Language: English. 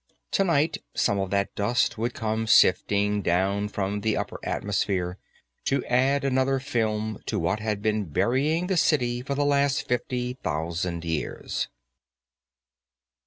Tonight, some of that dust would come sifting down from the upper atmosphere to add another film to what had been burying the city for the last fifty thousand years.